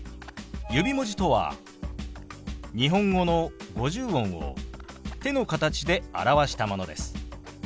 指文字とは日本語の五十音を手の形で表したものです。